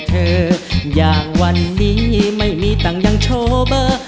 อย่างวันนี้ไม่มีตังค์ยังโชว์เบอร์